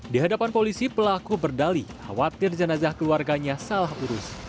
di hadapan polisi pelaku berdali khawatir jenazah keluarganya salah urus